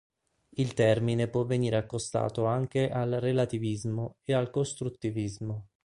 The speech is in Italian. Il termine può venire accostato anche al relativismo, e al costruttivismo.